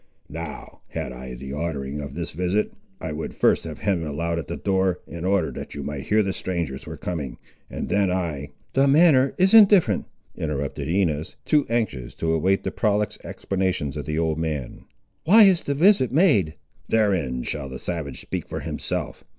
Now, had I the ordering of this visit, I would first have hemmed aloud at the door, in order that you might hear that strangers were coming, and then I—" "The manner is indifferent," interrupted Inez, too anxious to await the prolix explanations of the old man; "why is the visit made?" "Therein shall the savage speak for himself.